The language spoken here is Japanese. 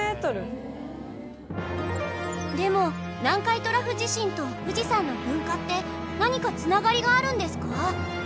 でも南海トラフ地震と富士山の噴火って何か繋がりがあるんですか？